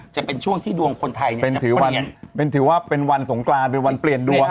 จะเป็นช่วงที่ดวงคนไทยเนี่ยเป็นถือวันถือว่าเป็นวันสงกรานเป็นวันเปลี่ยนดวง